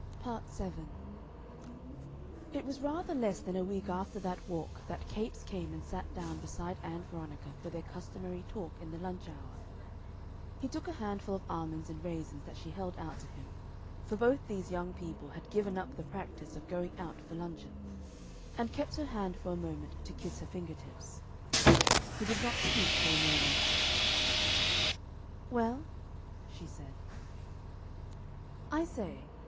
Part 7 It was rather less than a week after that walk that Capes came and sat down beside Ann Veronica for their customary talk in the lunch hour. He took a handful of almonds and raisins that she held out to him for both these young people had given up the practice of going out for luncheon and kept her hand for a moment to kiss her finger tips. He did not speak for a moment. "Well?" she said. "I say!"